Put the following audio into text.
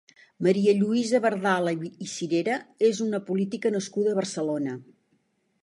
Maria Lluïsa Berdala i Cirera és una política nascuda a Barcelona.